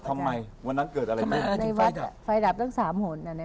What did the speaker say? ทำไมวันนี้เกิดอะไร